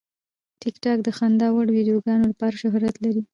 ټیکټاک د خندا وړ ویډیوګانو لپاره شهرت لري.